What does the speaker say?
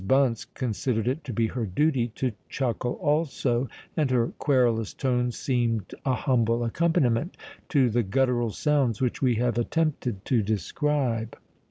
Bunce considered it to be her duty to chuckle also; and her querulous tones seemed a humble accompaniment to the guttural sounds which we have attempted to describe.